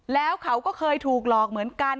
แล้วเขาก็เคยถูกหลอกเหมือนกัน